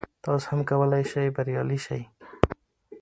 تاسو هم کولای شئ بریالي شئ.